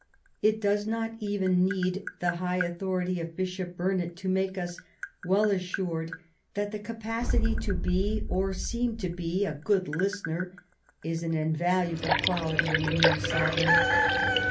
It does not even need the high authority of Bishop Burnet to make us well assured that the capacity to be, or seem to be, a good listener is an invaluable quality in a new sovereign.